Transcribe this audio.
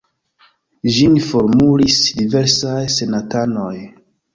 Ĝin formulis diversaj senatanoj.